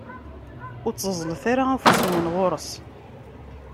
Ur tteẓẓlet ara afus-nwen ɣur-s!